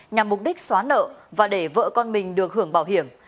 nhằm mục đích xóa nợ và để vợ con mình được hưởng bảo hiểm